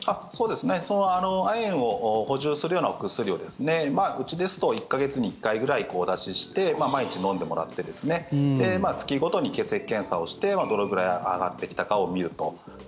亜鉛を補充するようなお薬をですねうちですと１か月に１回ぐらいお出しして、毎日飲んでもらって月ごとに血液検査をしてどのぐらい上がってきたかを見ると。